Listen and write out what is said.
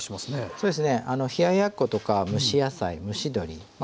そうですね冷ややっことか蒸し野菜蒸し鶏まあ